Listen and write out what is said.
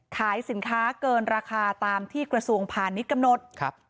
ขายสินค้าเกินราคาตามที่กระทรวงพาณิชย์กำหนด